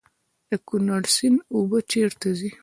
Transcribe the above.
د کونړ سیند اوبه چیرته ځي؟